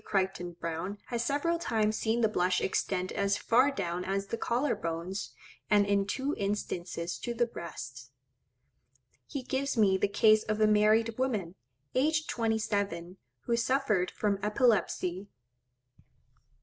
Crichton Browne has several times seen the blush extend as far down as the collar bones, and in two instances to the breasts. He gives me the case of a married woman, aged twenty seven, who suffered from epilepsy.